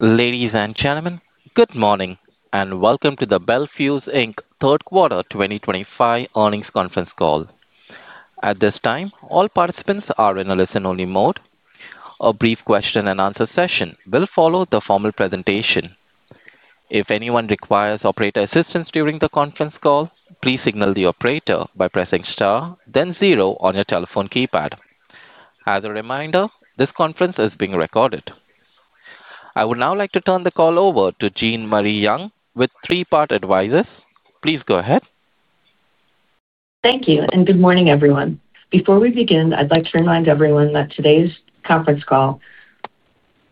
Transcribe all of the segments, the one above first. Ladies and gentlemen, good morning and welcome to the Bel Fuse Inc. third quarter 2025 earnings conference call. At this time, all participants are in a listen-only mode. A brief question and answer session will follow the formal presentation. If anyone requires operator assistance during the conference call, please signal the operator by pressing star then zero on your telephone keypad. As a reminder, this conference is being recorded. I would now like to turn the call over to Jean Marie Young with Three Part Advisors. Please go ahead. Thank you, and good morning everyone. Before we begin, I'd like to remind everyone that on today's conference call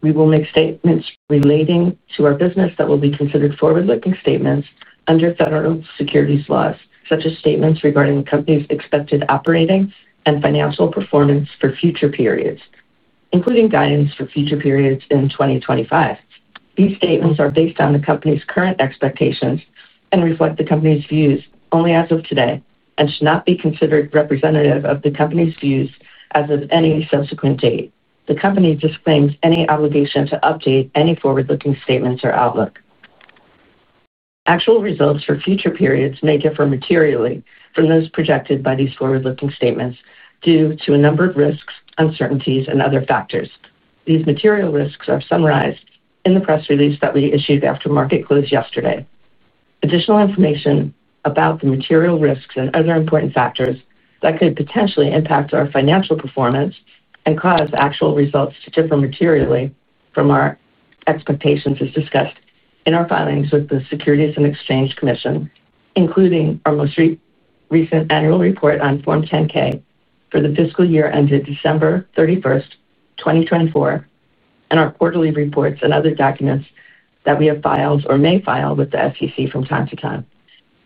we will make statements relating to our business that will be considered forward-looking statements under federal securities laws, such as statements regarding the company's expected operating and financial performance for future periods, including guidance for future periods in 2025. These statements are based on the company's current expectations and reflect the company's views only as of today and should not be considered representative of the company's views as of any subsequent date. The company disclaims any obligation to update any forward-looking statements or outlook. Actual results for future periods may differ materially from those projected by these forward-looking statements due to a number of risks, uncertainties, and other factors. These material risks are summarized in the press release that we issued after market close yesterday. Additional information about the material risks and other important factors that could potentially impact our financial performance and cause actual results to differ materially from our expectations is discussed in our filings with the Securities and Exchange Commission, including our most recent annual report on Form 10-K for the fiscal year ended December 31, 2024, and our quarterly reports and other documents that we have filed or may file with the SEC from time to time.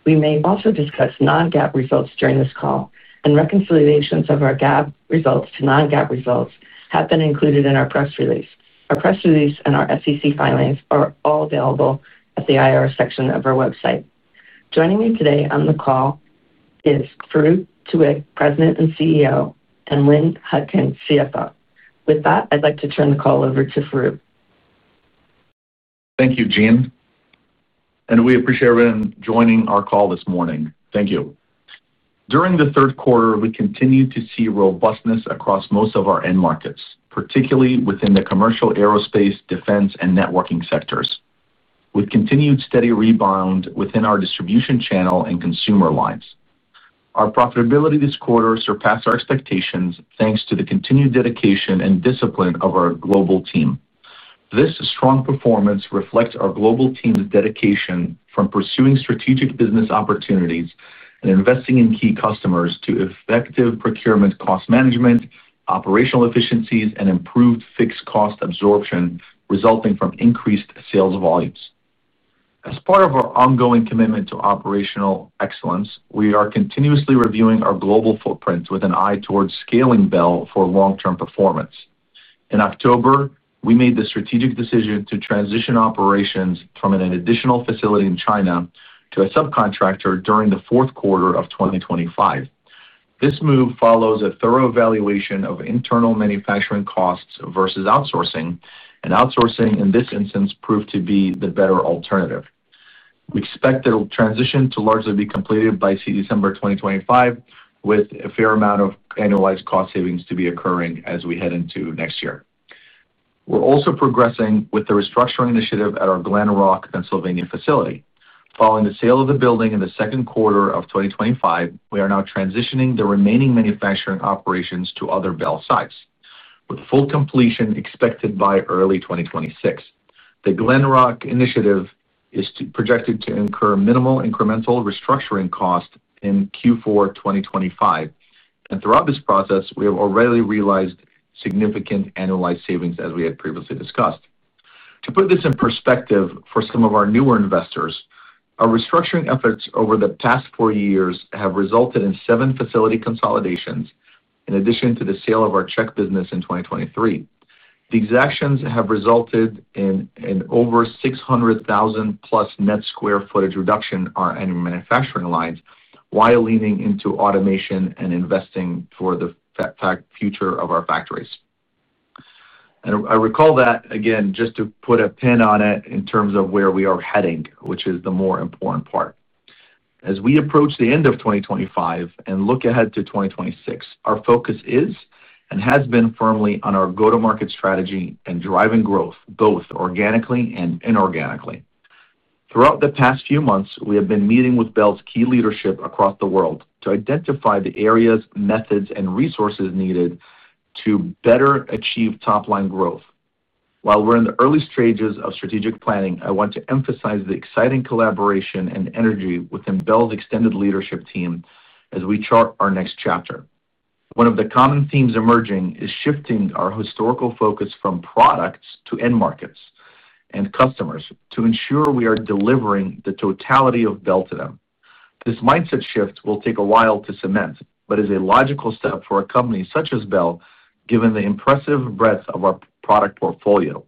We may also discuss non-GAAP results during this call and reconciliations of our GAAP results to non-GAAP results have been included in our press release. Our press release and our SEC filings are all available at the IR section of our website. Joining me today on the call is Farouq Tuweiq, President and CEO, and Lynn Hutkin, CFO. With that, I'd like to turn the call over to Farouq. Thank you, Jean, and we appreciate everyone joining our call this morning. Thank you. During the third quarter, we continue to see robustness across most of our end markets, particularly within the commercial, aerospace, defense, and networking sectors, with continued steady rebound within our distribution channel and consumer lines. Our profitability this quarter surpassed our expectations thanks to the continued dedication and discipline of our global team. This strong performance reflects our global team's dedication from pursuing strategic business opportunities and investing in key customers to effective procurement, cost management, operational efficiencies, and improved fixed cost absorption resulting from increased sales volumes. As part of our ongoing commitment to operational excellence, we are continuously reviewing our global footprint with an eye towards scaling Bel for long-term performance. In October, we made the strategic decision to transition operations from an additional facility in China to a subcontractor during the fourth quarter of 2025. This move follows a thorough evaluation of internal manufacturing costs versus outsourcing, and outsourcing in this instance proved to be the better alternative. We expect the transition to largely be completed by December 2025, with a fair amount of annualized cost savings to be occurring as we head into next year. We're also progressing with the restructuring initiative at our Glen Rock, Pennsylvania facility following the sale of the building in the second quarter of 2025. We are now transitioning the remaining manufacturing operations to other Bel sites, with full completion expected by early 2026. The Glen Rock initiative is projected to incur minimal incremental restructuring cost in Q4 2025, and throughout this process, we have already realized significant annualized savings as we had previously discussed. To put this in perspective for some of our newer investors, our restructuring efforts over the past four years have resulted in seven facility consolidations in addition to the sale of our Czech business in 2023. These actions have resulted in an over 600,000 plus net square footage reduction in our annual manufacturing lines while leaning into automation and investing for the future of our factories. I recall that again just to put a pin on it in terms of where we are heading, which is the more important part as we approach the end of 2025 and look ahead to 2026, our focus is and has been firmly on our go to market strategy and drive both organically and inorganically. Throughout the past few months we have been meeting with Bel's key leadership across the world to identify the areas, methods, and resources needed to better achieve top line growth. While we're in the early stages of strategic planning, I want to emphasize the exciting collaboration and energy within Bel's extended leadership team as we chart our next chapter. One of the common themes emerging is shifting our historical focus from products to end markets and customers to ensure we are delivering the totality of Bel to them. This mindset shift will take a while to cement but is a logical step for a company such as Bel given the impressive breadth of our product portfolio.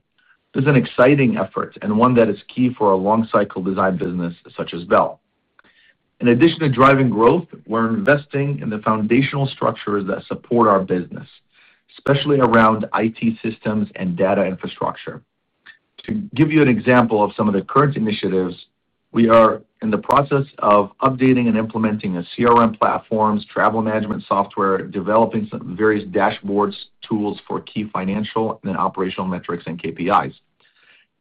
This is an exciting effort and one that is key for a long cycle design business such as Bel. In addition to driving growth, we're investing in the foundational structures that support our business, especially around IT systems and data infrastructure. To give you an example of some of the current initiatives, we are in the process of updating and implementing a CRM platform, travel management software, developing various dashboards, and tools for key financial and operational metrics and KPIs.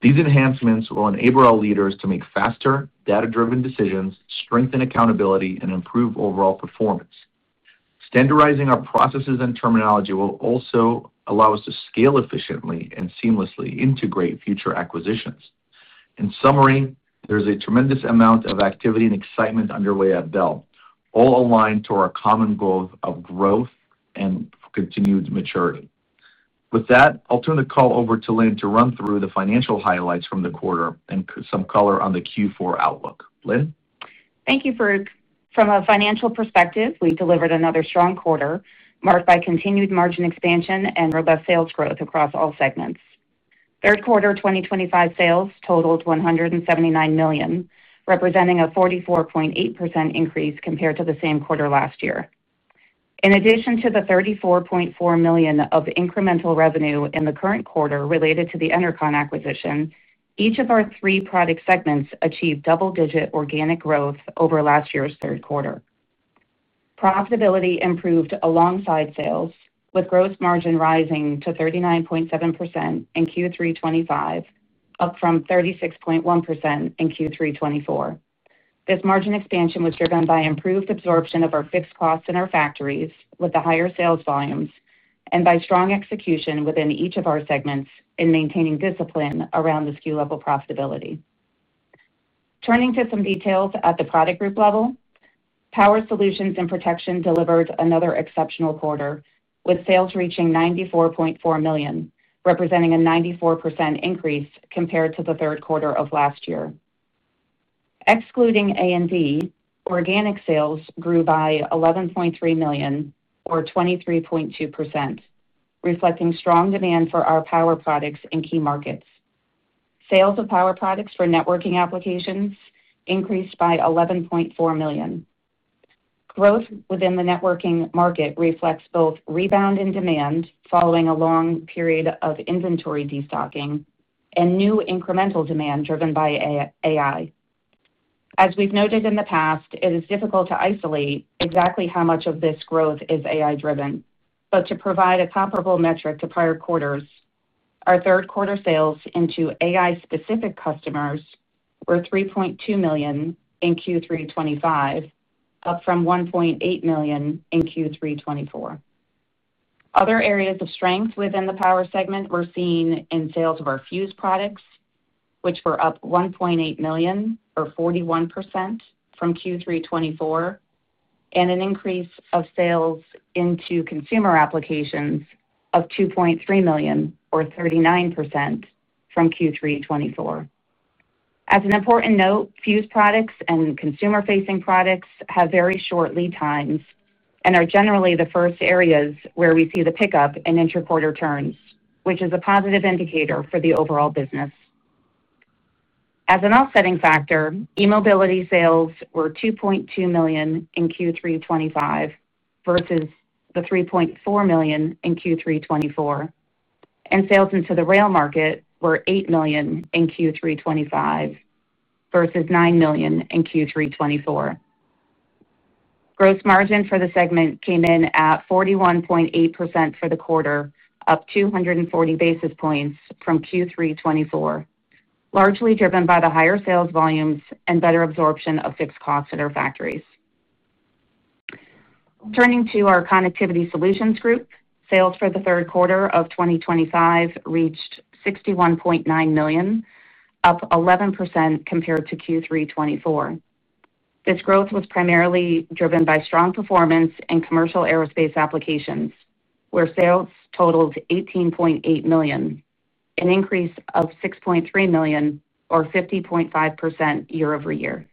These enhancements will enable our leaders to make faster data driven decisions, strengthen accountability, and improve overall performance. Standardizing our processes and terminology will also allow us to scale efficiently and seamlessly integrate future acquisitions. In summary, there is a tremendous amount of activity and excitement underway at Bel, all aligned to our common goal of growth and continued maturity. With that, I'll turn the call over to Lynn to run through the financial highlights from the quarter and some color on the Q4 outlook. Lynn, Thank you Farouq. From a financial perspective, we delivered another strong quarter marked by continued margin expansion and robust sales growth across all segments. Third quarter 2025 sales totaled $179 million, representing a 44.8% increase compared to the same quarter last year. In addition to the $34.4 million of incremental revenue in the current quarter related to the Enercon acquisition, each of our three product segments achieved double-digit organic growth over last year's third quarter. Profitability improved alongside sales, with gross margin rising to 39.7% in Q3 2025, up from 36.1% in Q3 2024. This margin expansion was driven by improved absorption of our fixed costs in our factories with the higher sales volumes and by strong execution within each of our segments in maintaining discipline around the SKU level profitability. Turning to some details at the product group level, Power Solutions and Protection delivered another exceptional quarter with sales reaching $94.4 million, representing a 94% increase compared to the third quarter of last year. Excluding A and D, organic sales grew by $11.3 million or 23.2%, reflecting strong demand for our power products in key markets. Sales of power products for networking applications increased by $11.4 million. Growth within the networking market reflects both rebound in demand following a long period of inventory destocking and new incremental demand driven by AI. As we've noted in the past, it is difficult to isolate exactly how much of this growth is AI driven, but to provide a comparable metric to prior quarters, our third quarter sales into AI-specific customers were $3.2 million in Q3 2025, up from $1.8 million in Q3 2024. Other areas of strength within the power segment were seen in sales of our Fuse products, which were up $1.8 million or 41% from Q3 2024, and an increase of sales into consumer applications of $2.3 million or 39% from Q3 2024. As an important note, Fuse products and consumer-facing products have very short lead times and are generally the first areas where we see the pickup in intra-quarter turns, which is a positive indicator for the overall business as an offsetting factor. eMobility sales were $2.2 million in Q3 2025 versus the $3.4 million in Q3 2024, and sales into the rail market were $8 million in Q3 2025 versus $9 million in Q3 2024. Gross margin for the segment came in at 41.8% for the quarter, up 240 basis points from Q3 2024, largely driven by the higher sales volumes and better absorption of fixed costs at our factories. Turning to our Connectivity Solutions group, sales for the third quarter of 2025 reached $61.9 million, up 11% compared to Q3 2024. This growth was primarily driven by strong performance in commercial aerospace applications where sales totaled $18.8 million, an increase of $6.3 million or 50.5% year-over-year.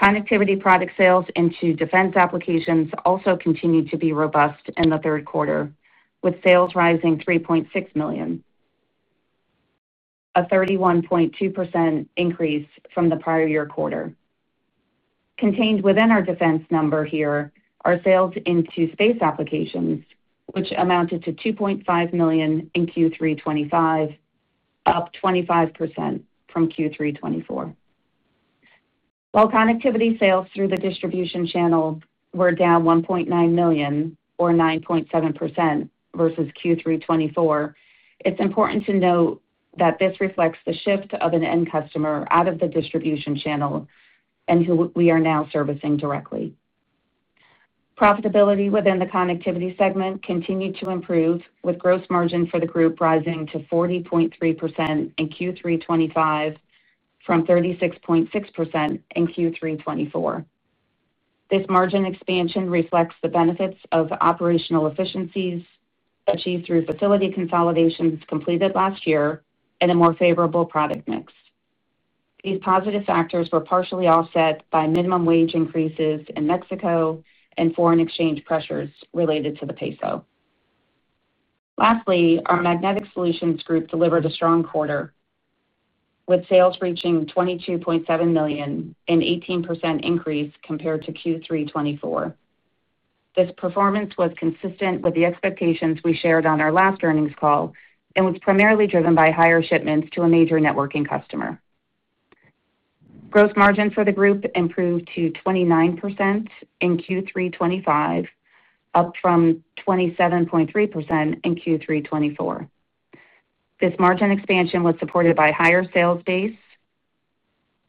Connectivity product sales into defense applications also continued to be robust in the third quarter with sales rising $3.6 million, a 31.2% increase from the prior year quarter. Contained within our defense number here are sales into space applications which amounted to $2.5 million in Q3 2025, up 25% from Q3 2024, while Connectivity sales through the distribution channel were down $1.9 million or 9.7% versus Q3 2024. It's important to note that this reflects the shift of an end customer out of the distribution channel and who we are now servicing directly. Profitability within the Connectivity segment continued to improve, with gross margin for the group rising to 40.3% in Q3 2025 from 36.6% in Q3 2024. This margin expansion reflects the benefits of operational efficiencies achieved through facility consolidations completed last year and a more favorable product mix. These positive factors were partially offset by minimum wage increases in Mexico and foreign exchange pressures related to the Peso. Lastly, our Magnetic Solutions group delivered a strong quarter with sales reaching $22.7 million, an 18% increase compared to Q3 2024. This performance was consistent with the expectations we shared on our last earnings call and was primarily driven by higher shipments to a major networking customer. Gross margin for the group improved to 29% in Q3 2025, up from 27.3% in Q3 2024. This margin expansion was supported by higher sales base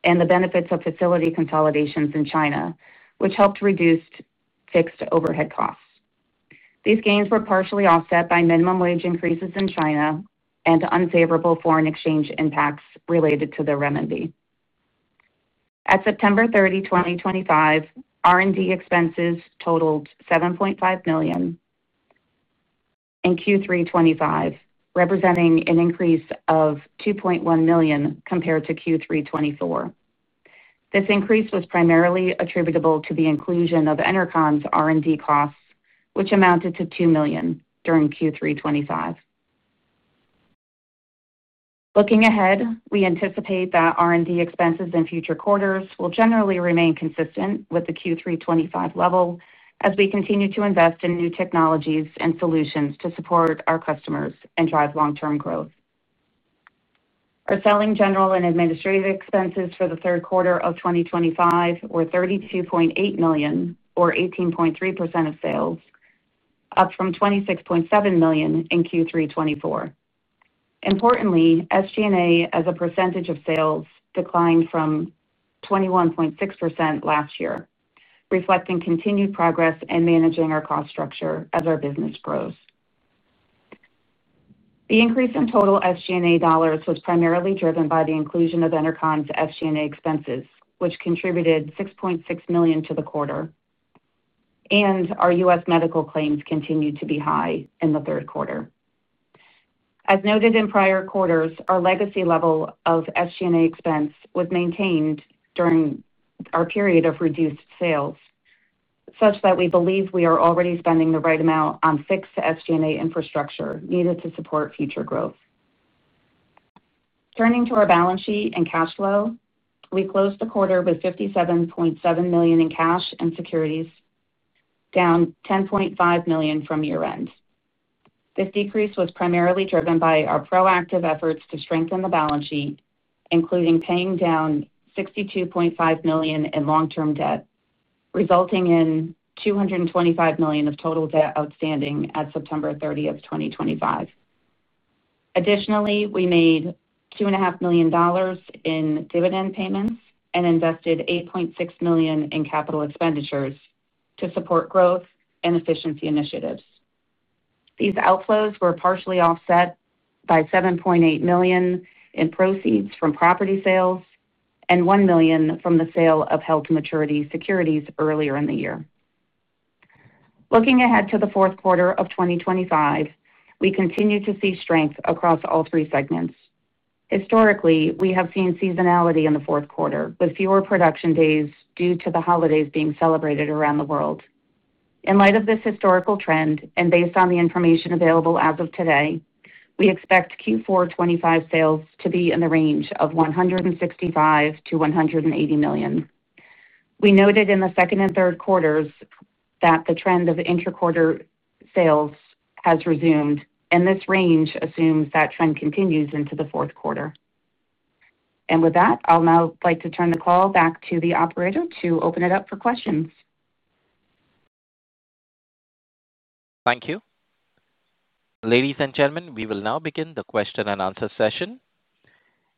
and the benefits of facility consolidations in China, which helped reduce fixed overhead costs. These gains were partially offset by minimum wage increases in China and unfavorable foreign exchange impacts related to the Renminbi. At September 30, 2025, R&D expenses totaled $7.5 million in Q3 2025, representing an increase of $2.1 million compared to Q3 2024. This increase was primarily attributable to the inclusion of Enercon's R&D costs, which amounted to $2 million during Q3 2025. Looking ahead, we anticipate that R&D expenses in future quarters will generally remain consistent with the Q3 2025 level as we continue to invest in new technologies and solutions to support our customers and drive long-term growth. Our selling, general, and administrative expenses for the third quarter of 2025 were $32.8 million, or 18.3% of sales, up from $26.7 million in Q3 2024. Importantly, SG&A as a percentage of sales declined from 21.6% last year, reflecting continued progress in managing our cost structure as our business grows. The increase in total SG&A dollars was primarily driven by the inclusion of Enercon's SG&A expenses, which contributed $6.6 million to the quarter, and our U.S. medical claims continued to be high in the third quarter. As noted in prior quarters, our legacy level of SG&A expense was maintained during our period of reduced sales such that we believe we are already spending the right amount on fixed SG&A infrastructure needed to support future growth. Turning to our balance sheet and cash flow, we closed the quarter with $57.7 million in cash and securities, down $10.5 million from year-end. This decrease was primarily driven by our proactive efforts to strengthen the balance sheet, including paying down $62.5 million in long-term debt, resulting in $225 million of total debt outstanding at September 30, 2025. Additionally, we made $2.5 million in dividend payments and invested $8.6 million in capital expenditures to support growth and efficiency initiatives. These outflows were partially offset by $7.8 million in proceeds from property sales and $1 million from the sale of held-to-maturity securities earlier in the year. Looking ahead to the fourth quarter of 2025, we continue to see strength across all three segments. Historically, we have seen seasonality in the fourth quarter with fewer production days due to the holidays being celebrated around the world. In light of this historical trend and based on the information available as of today, we expect Q4 2025 sales to be in the range of $165 million-$180 million. We noted in the second and third quarters that the trend of intra-quarter sales has resumed, and this range assumes that trend continues into the fourth quarter. With that, I'd now like to turn the call back to the operator to open it up for questions. Thank you. Ladies and gentlemen, we will now begin the question and answer session.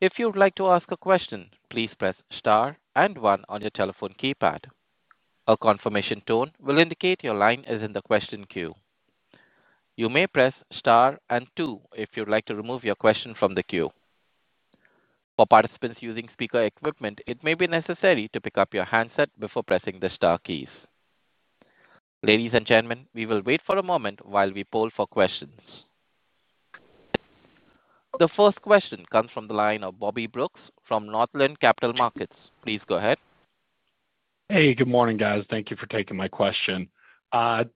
If you would like to ask a question, please press star and one on your telephone keypad. A confirmation tone will indicate your line is in the question queue. You may press star and two if you would like to remove your question from the queue. For participants using speaker equipment, it may be necessary to pick up your handset before pressing the star keys. Ladies and gentlemen, we will wait for a moment while we poll for questions. The first question comes from the line of Bobby Brooks from Northland Capital Markets. Please go ahead. Hey, good morning guys. Thank you for taking my question.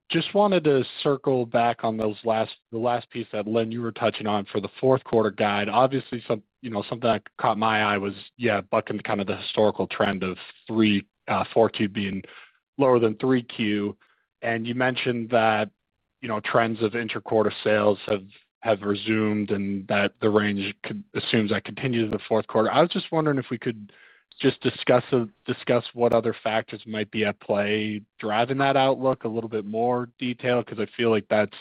Just wanted to circle back on those last. The last piece that Lynn, you were touching on for the fourth quarter guide, obviously something that caught my eye was, yeah, bucking kind of the historical trend of 4Q being lower than 3Q. You mentioned that trends of intra quarter sales have resumed and that the range assumes that continues in the fourth quarter. I was just wondering if we could just discuss what other factors might be at play driving that outlook. A little bit more detail because I feel like that's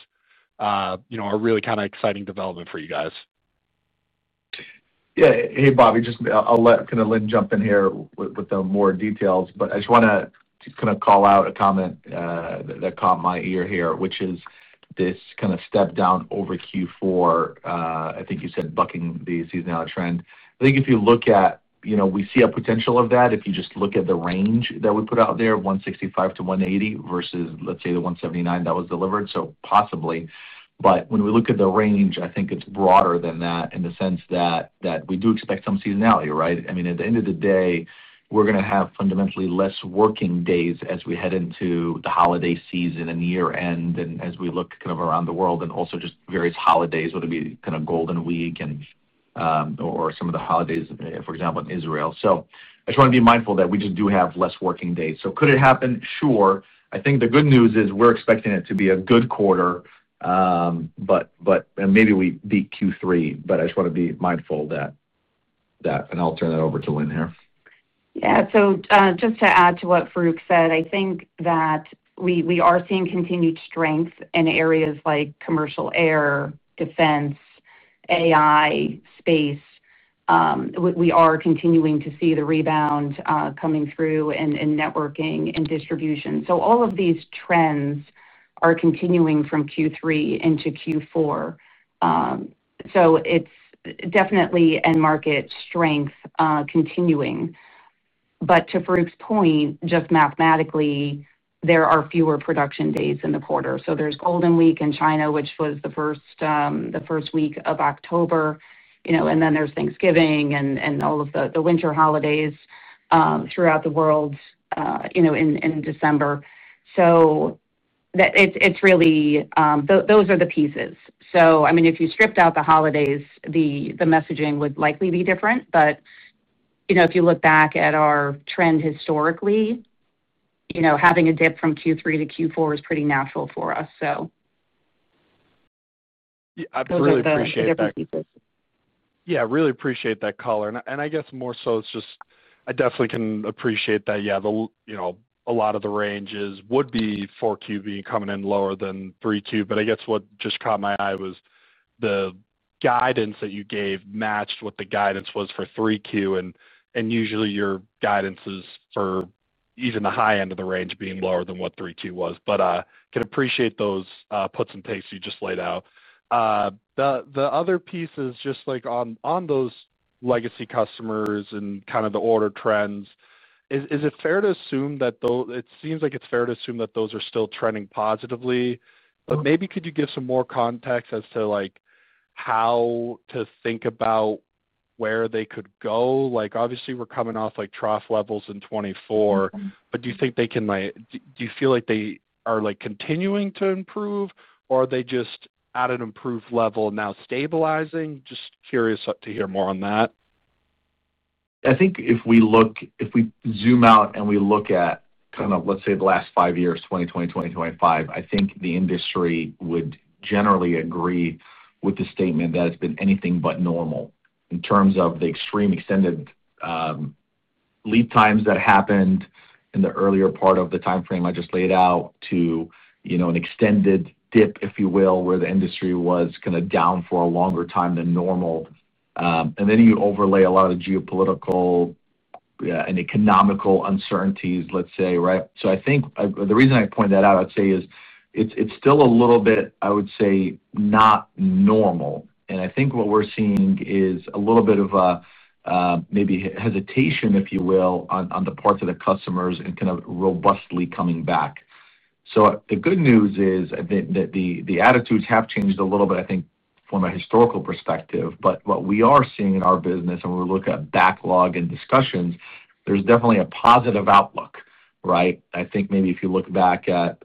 a really kind of exciting development for you guys. Yeah. Hey, Bobby, I'll let Lynn jump in here with more details, but I just want to call out a comment that caught my ear here, which is this kind of step down over Q4. I think you said bucking the seasonality trend. I think if you look at, you know, we see a potential of that. If you just look at the range that we put out there, $165 million-$180 million versus let's say the $179 million that was delivered. Possibly. When we look at the range, I think it's broader than that in the sense that we do expect some seasonality. Right. End of the day we're going to have fundamentally less working days as we head into the holiday season and year end and as we look around the world and also just various holidays, whether it be kind of Golden Week or some of the holidays, for example, in Israel. I just want to be mindful that we do have less working days. Could it happen? Sure. The good news is we're expecting it to be a good quarter and maybe we beat Q3. I just want to be mindful of that. I'll turn that over to Lynn here. Yeah. Just to add to what Farouq said, I think that we are seeing continued strength in areas like commercial air defense, AI space. We are continuing to see the rebound coming through in networking and distribution. All of these trends are continuing from Q3 into Q4. It is definitely end market strength continuing. To Farouq's point, just mathematically there are fewer production days in the quarter. There is Golden Week in China, which was the first week of October, and then there is Thanksgiving and all of the winter holidays throughout the world in December. Those are the pieces. If you stripped out the holidays, the messaging would likely be different. If you look back at our trend historically, having a dip from Q3 to Q4 is pretty natural for us. I really appreciate that. I really appreciate that color. I definitely can appreciate that. A lot of the ranges would be 4Q coming in lower than 3Q. What just caught my eye was the guidance that you gave matched what the guidance was for 3Q. Usually your guidance is for even the high end of the range being lower than what 3Q was. I can appreciate those puts and takes you just laid out. The other pieces, just like on those legacy customers and the order trends, is it fair to assume that though? It seems like it's fair to assume that those are still trending positively. Maybe could you give some more context as to how to think about where they could go? Obviously we're coming off trough levels in 2024, but do you think they can, do you feel like they are continuing to improve or are they just at an improved level now, stabilizing? Just curious to hear more on that. I think if we look, if we zoom out and we look at kind of, let's say the last five years, 2020, 2025, I think the industry would generally agree with the statement that it's been anything but normal in terms of the extreme extended lead times that happened in the earlier part of the time frame I just laid out to an extended dip, if you will, where the industry was down for a longer time than normal. You overlay a lot of geopolitical and economical uncertainties. I think the reason I point that out, I'd say is it's still a little bit, I would say not normal. I think what we're seeing is a little bit of maybe hesitation, if you will, on the parts of the customers and kind of robustly coming back. The good news is that the attitudes have changed a little bit, I think from a historical perspective. What we are seeing in our business and we look at backlog and discussions, there's definitely a positive outlook. I think maybe if you look back at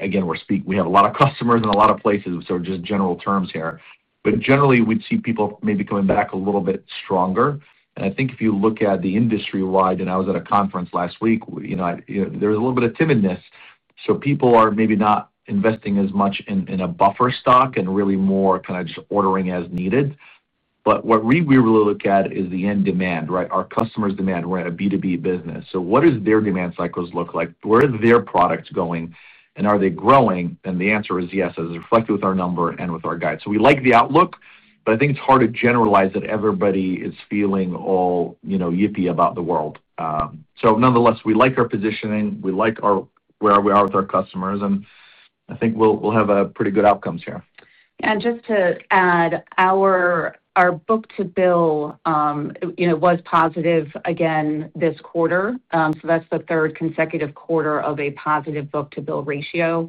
again we're speak we have a lot of customers in a lot of places, so just general terms here but generally we'd see people maybe coming back a little bit stronger. I think if you look at the industry wide and I was at a conference last week, you know, there's a little bit of timidness. People are maybe not investing as much in a buffer stock and really more kind of just ordering as needed. What we really look at is the end demand. Our customers demand. We're in a B2B business. What does their demand cycles look like? Where are their products going and are they growing? The answer is yes, as reflected with our number and with our guide. We like the outlook, but I think it's hard to generalize that. Everybody is feeling all yippee about the world. Nonetheless we like our positioning, we like our where we are with our customers and I think we'll have pretty good outcomes here. Our book-to-bill was positive again this quarter. That's the third consecutive quarter of a positive book-to-bill ratio.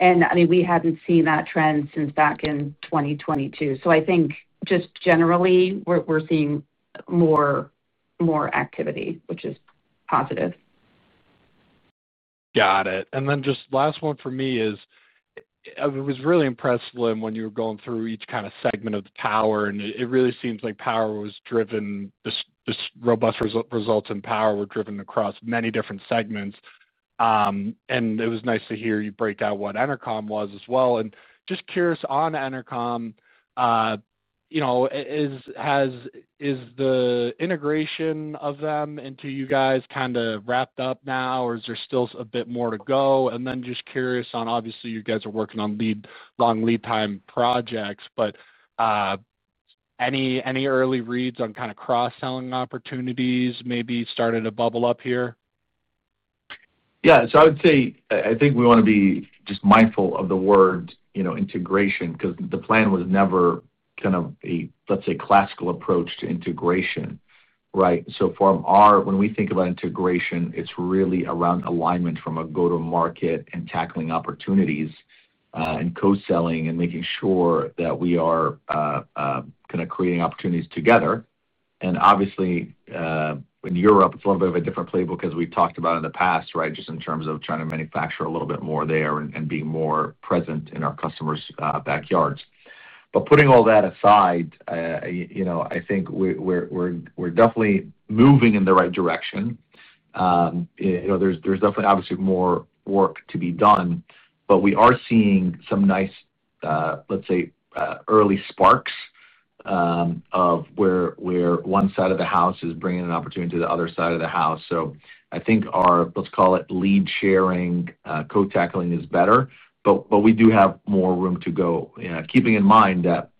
We hadn't seen that trend since back in 2022. I think just generally we're seeing more activity, which is positive. Got it. Just last one for me is I was really impressed, Lynn, when you were going through each kind of segment of the Power, and it really seems like Power was driven, these robust results in Power were driven across many different segments. It was nice to hear you break out what Enercon was as well. Just curious on Enercon, you know, is. Has. Is the integration of them into you guys kind of wrapped up now, or is there still a bit more to go? I'm just curious, obviously you guys are working on the long lead time projects, but any early reads on kind of cross selling opportunities maybe started to bubble up here? Yeah. I would say I think we want to be just mindful of the word, you know, integration because the plan was never kind of a, let's say, classical approach to integration. Right. From our, when we think about integration, it's really around alignment from a go to market and tackling opportunities and co selling and making sure that we are kind of creating opportunities together. Obviously in Europe, it's a little bit of a different playbook as we've talked about in the past. Right. Just in terms of trying to manufacture a little bit more there and being more present in our customers' backyards. Putting all that aside, I think we're definitely moving in the right direction. There's definitely, obviously more work to be done, but we are seeing some nice, let's say, early sparks of where one side of the house is bringing an opportunity to the other side of the house. I think our, let's call it lead sharing, co tackling is better, but we do have more room to go. Keeping in mind that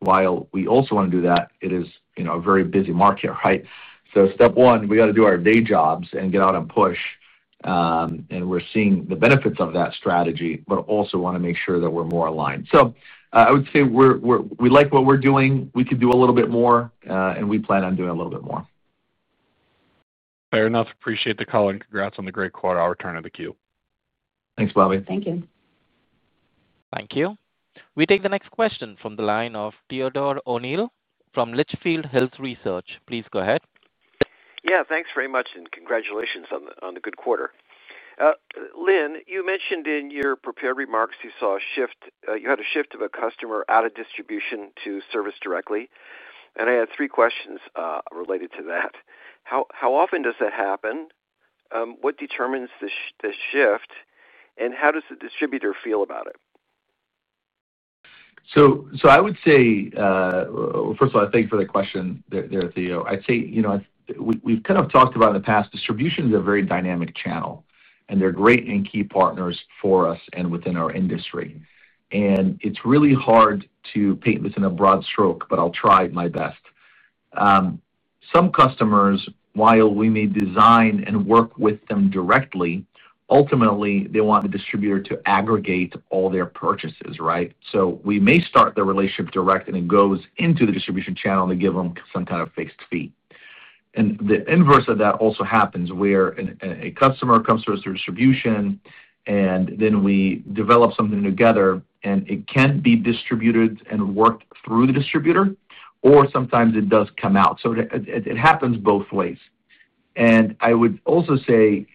while we also want to do that, it is a very busy market. Right. Step one, we got to do our day jobs and get out and push and we're seeing the benefits of that strategy, but also want to make sure that we're more aligned. I would say we like what we're doing. We could do a little bit more and we plan on doing a little bit more. Fair enough. Appreciate the call and congrats on the great quarter. I'll turn it over to the Q. Thanks, Bobbi. Thank you. Thank you. We take the next question from the line of Theodore O'Neill from Litchfield Hills Research. Please go ahead. Yeah, thanks very much and congratulations on the good quarter. Lynn, you mentioned in your prepared remarks you saw a shift. You had a shift of a customer out of distribution to service directly. I had three questions related to that. How often does that happen? What determines the shift, and how does the distributor feel about it? First of all, thank you for the question there, Theo. We've kind of talked about in the past, distribution is a very dynamic channel and they're great and key partners for us and within our industry. It's really hard to paint this in a broad stroke, but I'll try my best. Some customers, while we may design and work with them directly, ultimately want the distributor to aggregate all their purchases. We may start the relationship direct and it goes into the distribution channel to give them some kind of fixed fee. The inverse of that also happens where a customer comes through a distribution and then we develop something together and it can be distributed and worked through the distributor or sometimes it does come out. It happens both ways. I would also say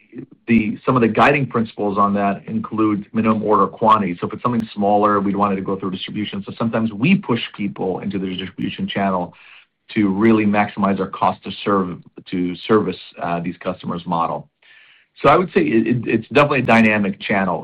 some of the guiding principles on that include minimum order quantity. If it's something smaller, we'd want it to go through distribution. Sometimes we push people into the distribution channel to really maximize our cost to service these customers model. It's definitely a dynamic channel.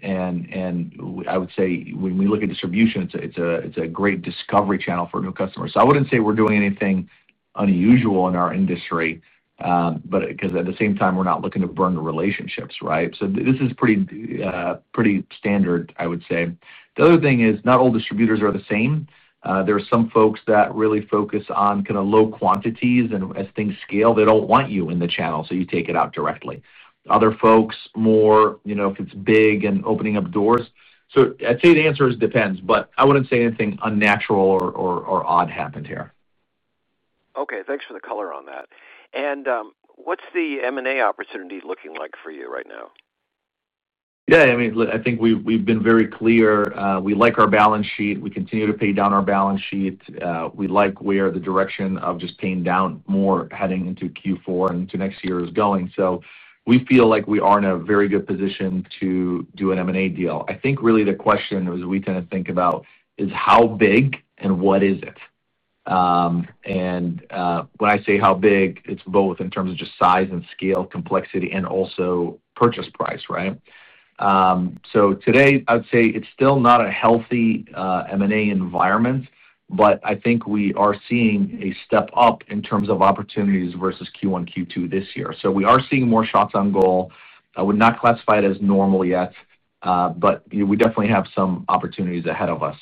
When we look at distribution, it's a great discovery channel for new customers. I wouldn't say we're doing anything unusual in our industry because at the same time, we're not looking to burn the relationships. This is pretty standard. The other thing is not all distributors are the same. There are some folks that really focus on kind of low quantities. As things scale, they don't want you in the channel, so you take it out directly. Other folks more, you know, if it's big and opening up doors. The answer is depends. I wouldn't say anything unnatural or odd happened here. Okay, thanks for the color on that. What's the M&A opportunity looking like for you right now? Yeah, I mean, I think we've been very clear. We like our balance sheet. We continue to pay down our balance sheet. We like where the direction of just paying down more heading into Q4 and to next year is going. We feel like we are in a very good position to do an M&A deal. I think really the question we tend to think about is how big and what is it. When I say how big, it's both in terms of just size and scale complexity and also purchase price. Right. Today I would say it's still not a healthy M&A environment. I think we are seeing a step up in terms of opportunities versus Q1, Q2 this year. We are seeing more shots on goal. I would not classify it as normal yet, but we definitely have some opportunities ahead of us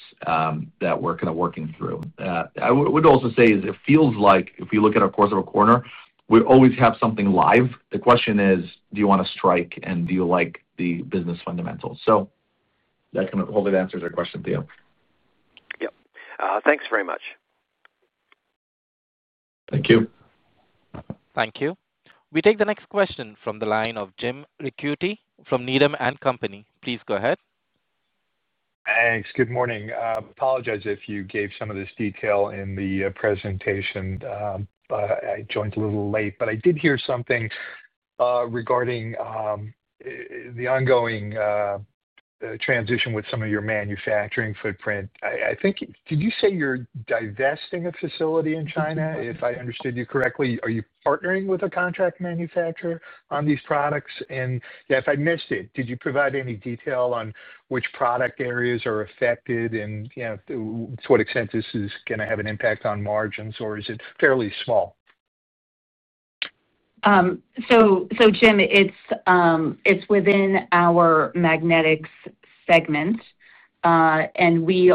that we're kind of working through. I would also say it feels like if you look at our course of a quarter, we always have something live. The question is, do you want to strike and do you like the business fundamentals. Hopefully that answers our question. Theo. Yep, thanks very much. Thank you. Thank you. We take the next question from the line of Jim Ricchiuti from Needham & Company. Please go ahead. Thanks. Good morning. Apologize if you gave some of this detail in the presentation. I joined a little late, but I did hear something regarding the ongoing transition with some of your manufacturing footprint, I think. Did you say you're divesting a facility in China, if I understood you correctly, are you partnering with a contract manufacturer on these products? If I missed it, did you provide any detail on which product areas are affected and to what extent this is going to have an impact on margins, or is it fairly small? It's within our Magnetics segments and we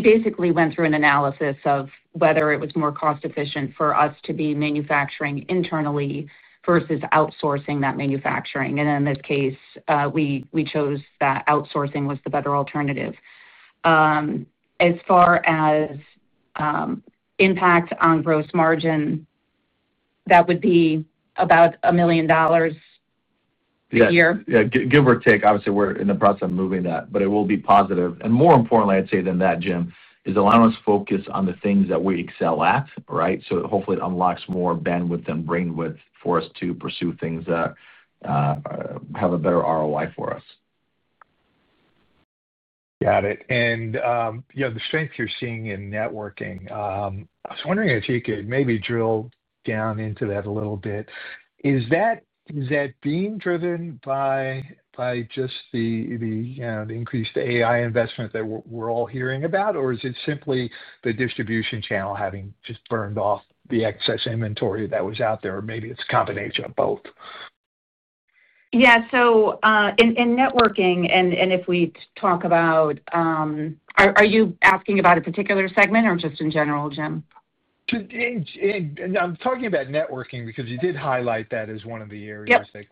basically went through an analysis of whether it was more cost efficient for us to be manufacturing internally versus outsourcing that manufacturing. In this case, we chose that outsourcing was the better alternative. As far as impact on gross margin, that would be about $1 million. A year, give or take. Obviously, we're in the process of moving that, but it will be positive. More importantly, I'd say than that, Jim, is allowing us focus on the things that we excel at. Right. Hopefully it unlocks more bandwidth and brainwidth for us to pursue things that have a better ROI for us. Got it. The strength you're seeing in networking, I was wondering if you could maybe drill down into that a little bit. Is that being driven by just the increased AI investment that we're all hearing about, or is it simply the distribution channel having just burned off the excess inventory that was out there? Maybe it's a combination of both. Yeah. In networking, and if we talk about, are you asking about a particular segment or just in general, Jim? I'm. Talking about networking because you did highlight that as one of the areas. Right.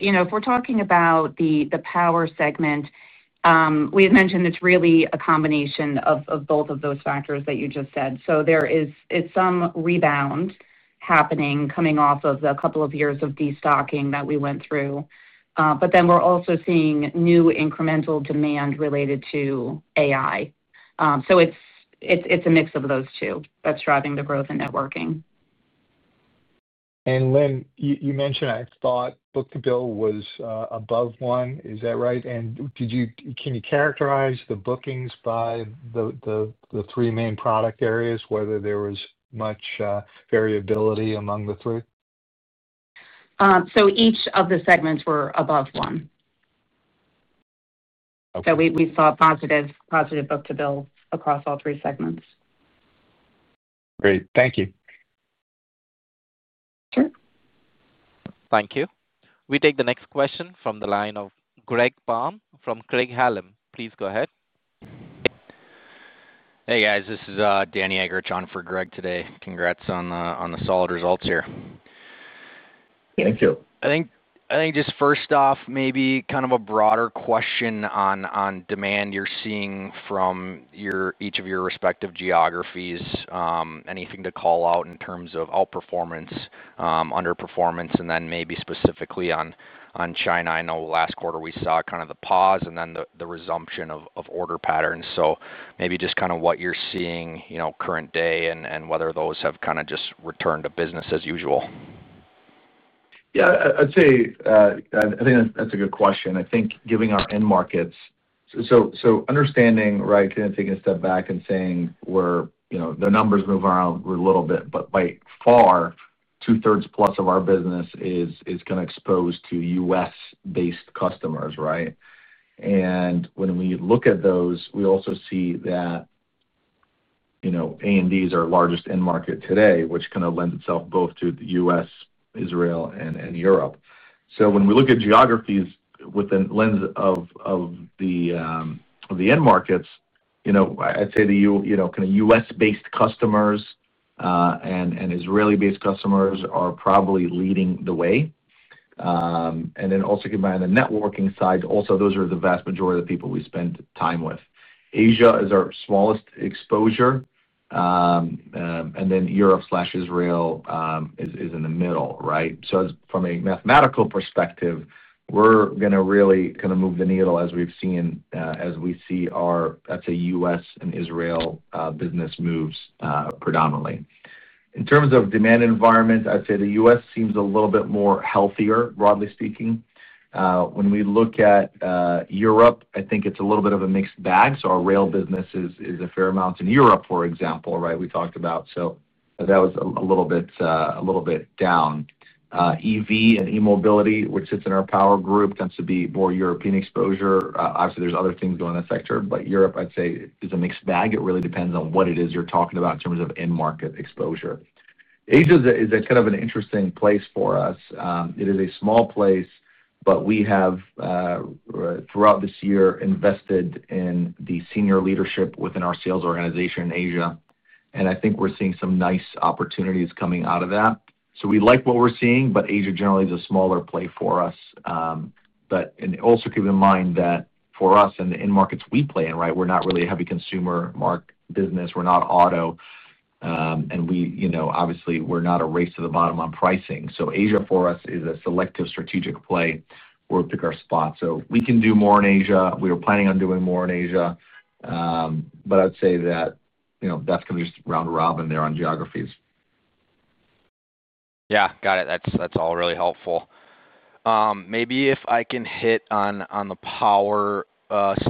If we're talking about the Power segment we had mentioned, it's really a combination of both of those factors that you just said. There is some rebound happening coming off of a couple of years of destocking that we went through, but we're also seeing new incremental demand related to AI. It's a mix of those two that's driving the growth in networking. Lynn, you mentioned, I thought book-to-bill was above one. Is that right? Did you. Can you characterize the bookings by the three main product areas? Whether there was much variability among the three. Each of the segments were above one. We saw positive book-to-bill across all three segments. Great. Thank you. Sure. Thank you. We take the next question from the line of Greg Palm from Craig-Hallum, please go ahead. Hey guys, this is Danny Eggerichs on for Greg today. Congrats on the solid results here. Thank you. I think just first off, maybe kind of a broader question on demand, you're seeing from each of your respective geographies. Anything to call out in terms of outperformance or underperformance? Maybe specifically on China, I know last quarter we saw kind of the pause and then the resumption of order patterns. Maybe just what you're seeing current day and whether those have just returned to business as usual. Yeah, I think that's a good question. I think given our end markets, taking a step back and saying the numbers move around a little bit, but by far two thirds plus of our business is kind of exposed to U.S.-based customers. When we look at those, we also see that A&D is our largest end market today, which kind of lends itself both to the U.S., Israel, and Europe. When we look at geographies within the lens of the end markets, I'd say to you, U.S.-based customers and Israeli-based customers are probably leading the way. Also, keep in mind the networking side. Those are the vast majority of the people we spend time with. Asia is our smallest exposure, and then Europe, Israel is in the middle. Right. From a mathematical perspective, we're going to really kind of move the needle as we see our U.S. and Israel business moves predominantly in terms of demand environment. I'd say the U.S. seems a little bit more healthier, broadly speaking. When we look at Europe, I think it's a little bit of a mixed bag. Our rail business is a fair amount in Europe, for example. That was a little bit down. EV/eMobility, which sits in our Power group, tends to be more European exposure. Obviously, there's other things going on in that sector, but Europe I'd say is a mixed bag. It really depends on what it is you're talking about in terms of end market exposure. Asia is kind of an interesting place for us. It is a small place, but we have throughout this year invested in the senior leadership within our sales organization in Asia. I think we're seeing some nice opportunities coming out of that. We like what we're seeing, but Asia generally is a smaller play for us. Also, keep in mind that for us and the end markets we play in, we're not really a heavy consumer market business. We're not auto and we're not a race to the bottom on pricing. Asia for us is a selective strategic play where we pick our spot. We can do more in Asia. We are planning on doing more in Asia, but I would say that that's going to be round robin there on geographies. Yeah, got it. That's all really helpful. Maybe if I can hit on the Power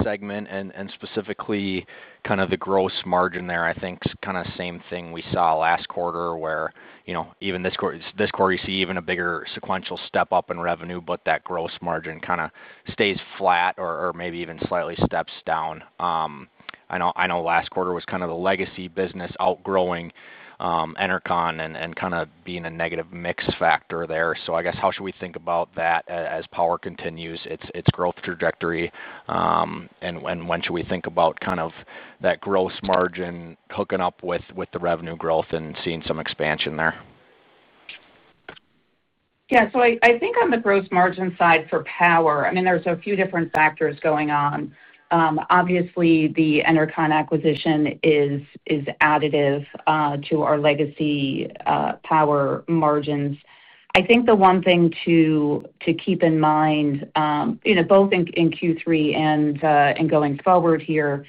segment and specifically kind of the gross margin there. I think kind of same thing we saw last quarter where, you know, this quarter you see even a bigger sequential step up in revenue, but that gross margin kind of stays flat or maybe even slightly steps down. I know last quarter was kind of the legacy business outgrowing Enercon and kind of being a negative mix factor there. I guess how should we think about that as Power continues its growth trajectory and when should we think about kind of that gross margin hooking up with the revenue growth and seeing some expansion there? Yes, I think on the gross margin side for Power, I mean there's a few different factors going on. Obviously the Enercon acquisition is additive to our legacy Power margins. I think the one thing to keep in mind both in Q3 and going forward here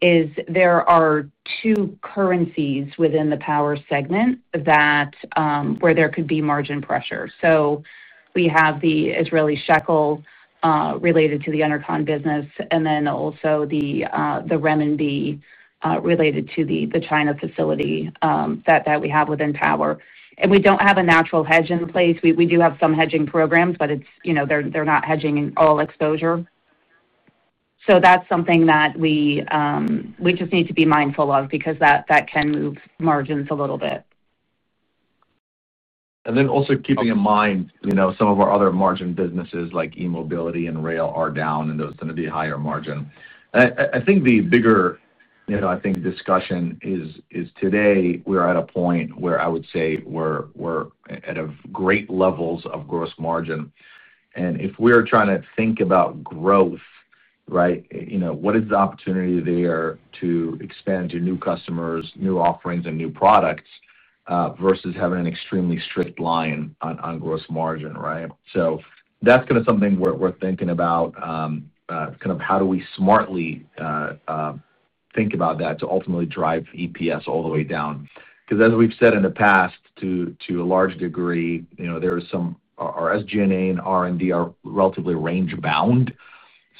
is there are two currencies within the Power segment where there could be margin pressure. We have the Israeli Shekel related to the Enercon business and then also the Renminbi related to the China facility that we have within Power, and we don't have a natural hedge in place. We do have some hedging programs, but they're not hedging in all exposure. That's something that we just need to be mindful of because that can move margins a little bit. Also keeping in mind, some of our other margin businesses like eMobility and Rail are down and those tend to be higher margin. I think the bigger discussion is, today we are at a point where I would say we're at great levels of gross margin. If we're trying to think about growth, what is the opportunity there to expand to new customers, new offerings, and new products versus having an extremely strict line on gross margin? That's kind of something we're thinking about. How do we smartly think about that to ultimately drive EPS all the way down? As we've said in the past, to a large degree, SG&A and R&D are relatively range bound.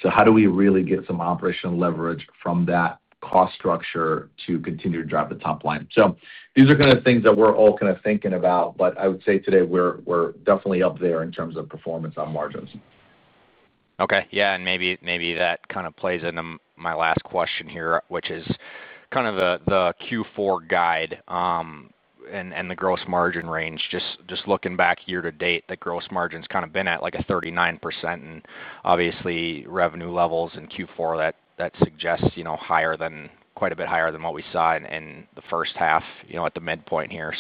How do we really get some operational leverage from that cost structure to continue to drive the top line? These are things that we're all thinking about. I would say today we're definitely up there in terms of performance on margins. Okay. Yeah. Maybe that kind of plays into my last question here, which is kind of the Q4 guide and the gross margin range. Just looking back year to date, the gross margin's kind of been at like 39%. Obviously, revenue levels in Q4 suggest, you know, higher than, quite a bit higher than what we saw in the first half, you know, at the midpoint here.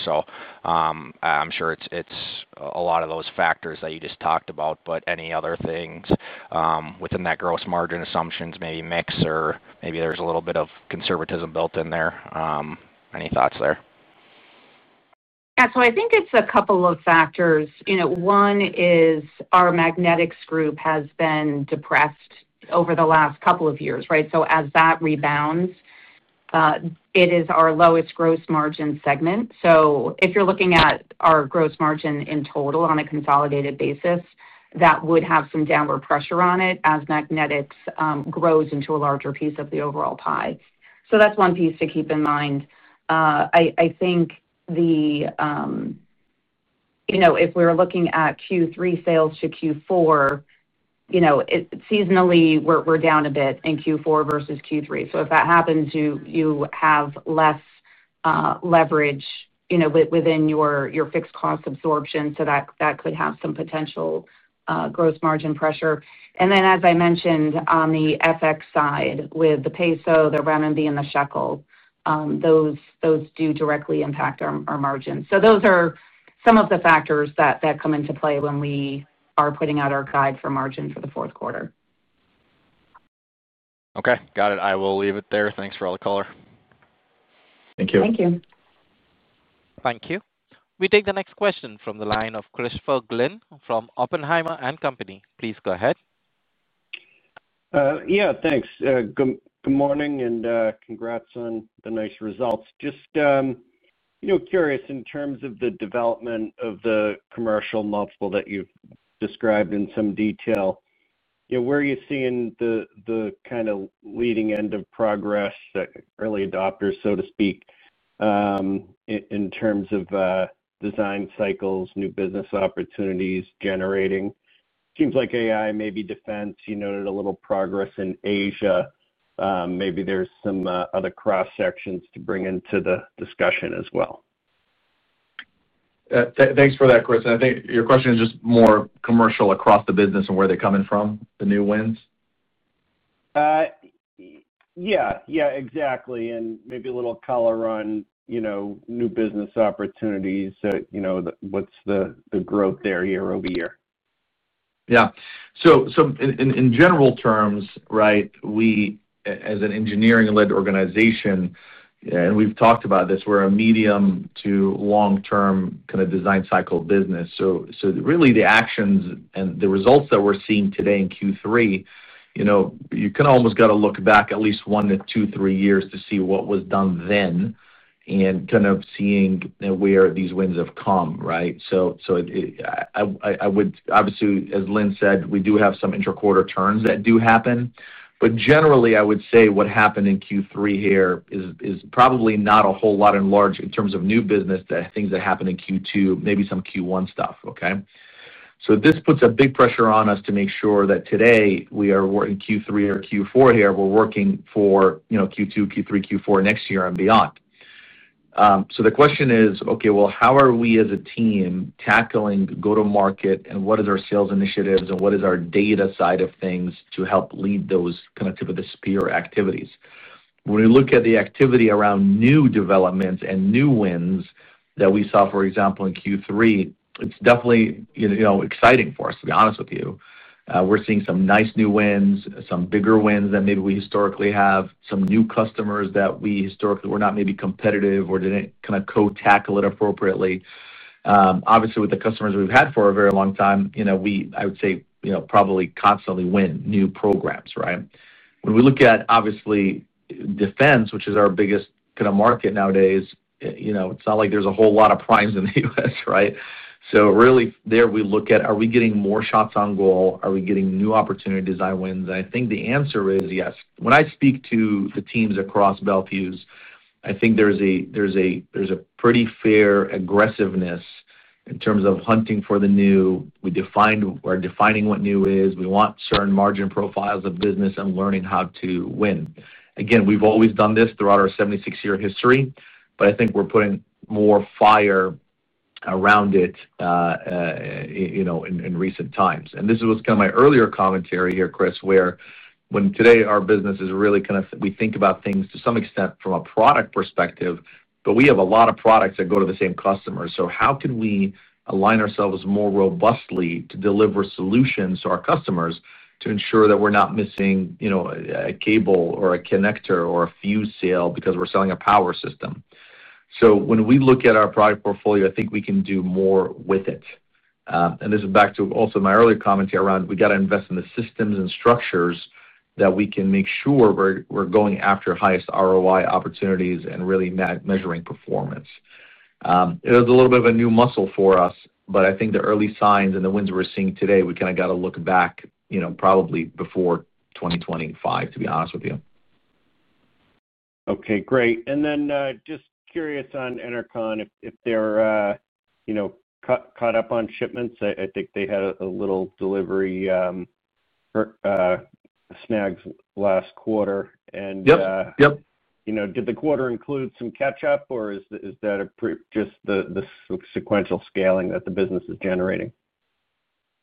I'm sure it's a lot of those factors that you just talked about. Any other things within that gross margin assumptions, maybe mix, or maybe there's a little bit of conservatism built in there? Any thoughts there? I think it's a couple of factors. One is our Magnetics group has been depressed over the last couple of years. As that rebounds, it is our lowest gross margin segment. If you're looking at our gross margin in total on a consolidated basis, that would have some downward pressure on it as Magnetics grows into a larger piece of the overall pie. That's one piece to keep in mind. If we were looking at Q3 sales to Q4, seasonally we're down a bit in Q4 versus Q3. If that happens, you have less leverage within your fixed cost absorption. That could have some potential gross margin pressure. As I mentioned on the FX side with the Peso, the Renminbi, and the Shekel, those do directly impact our margin. Those are some of the factors that come into play when we are putting out our guide for margin for the fourth quarter. Okay, got it. I will leave it there. Thanks for all the color. Thank you. Thank you. Thank you. We take the next question from the line of Christopher Glynn from Oppenheimer & Company. Please go ahead. Yeah, thanks. Good morning and congrats on the nice results. Just curious, in terms of the development of the commercial multiple that you described in some detail, where are you seeing the kind of leading end of progress, that early adopters, so to speak, in terms of design cycles, new business opportunities generating? Seems like AI, maybe defense. You noted a little progress in Asia. Maybe there's some other cross sections to bring into the discussion as well. Thanks for that, Chris. I think your question is just more commercial across the business and where they're coming from, the new wins. Yeah, exactly. Maybe a little color on new business opportunities. What's the growth there year-over-year? Yeah. In general terms, right, we as an engineering-led organization, and we've talked about this, we're a medium to long term kind of design cycle business. The actions and the results that we're seeing today in Q3, you almost have to look back at least one to two, three years to see what was done then and kind of see where these wins have come. Obviously, as Lynn said, we do have some intra-quarter turns that do happen. Generally, I would say what happened in Q3 here is probably not a whole lot in large in terms of new business things that happened in Q2, maybe some Q1 stuff. This puts a big pressure on us to make sure that today we are working Q3 or Q4 here. We're working for, you know, Q2, Q3, Q4, next year and beyond. The question is, how are we as a team tackling go-to-market and what are our sales initiatives and what is our data side of things to help lead those kind of spear activities? When we look at the activity around new developments and new wins that we saw, for example in Q3, it's definitely exciting for us, to be honest with you. We're seeing some nice new wins, some bigger wins that maybe we historically have, some new customers that we historically were not maybe competitive or didn't kind of co-tackle it appropriately. Obviously, with the customers we've had for a very long time, I would say we probably constantly win new programs. Right. When we look at obviously defense, which is our biggest kind of market nowadays, it's not like there's a whole lot of primes in the U.S., right? Really there we look at are we getting more shots on goal? Are we getting new opportunity design wins? I think the answer is yes. When I speak to the teams across Bel Fuse, I think there's a pretty fair aggressiveness in terms of hunting for the new. We defined, we're defining what new is. We want certain margin profiles of business and learning how to win again. We've always done this throughout our 76 year history, but I think we're putting more fire around it. You know, in recent times, and this was kind of my earlier commentary here, Chris, where today our business is really kind of, we think about things to some extent from a product perspective, but we have a lot of products that go to the same customer. How can we align ourselves more robustly to deliver solutions to our customers to ensure that we're not missing a cable or a connector or a fuse sale because we're selling a power system? When we look at our product portfolio, I think we can do more with it. This is back to also my earlier commentary around we got to invest in the systems and structures that we can make sure we're going after highest ROI opportunities and really measuring performance. It was a little bit of a new muscle for us. I think the early signs and the wins we're seeing today, we kind of got to look back, you know, probably before 2025, to be honest with you. Okay, great. Just curious on Enercon if they're caught up on shipments. I think they had a little delivery snags last quarter, and did the quarter include some catch up, or is that just the sequential scaling that the business is generating?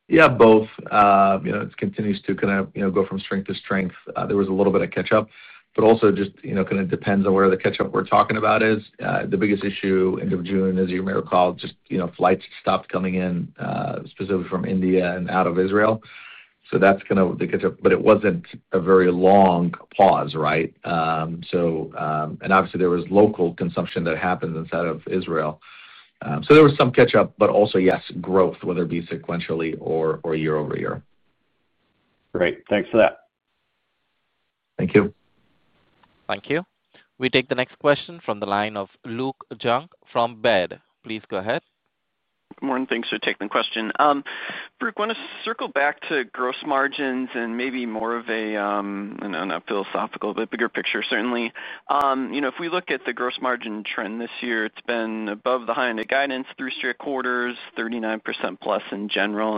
Yeah, both. It continues to kind of go from strength to strength. There was a little bit of catch up, but also just kind of depends on where the catch up we're talking about is the biggest issue. End of June, as you may recall, just flights stopped coming in specifically from India and out of Israel. That's kind of the catch up. It wasn't a very long pause. Obviously, there was local consumption that happens inside of Israel, so there was some catch up, but also, yes, growth, whether it be sequentially or year-over-year. Great, thanks for that. Thank you. Thank you. We take the next question from the line of Luke Junk from Baird, please go ahead. Thanks for taking the question, Farouq. Want to circle back to gross margins and maybe more of a, not philosophical, but bigger picture. Certainly, if we look at the gross margin trend this year, it's been above the high end of guidance three straight quarters, 39% plus in general.